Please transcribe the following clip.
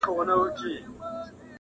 بېفکره چټکتیا تاوان رسوي.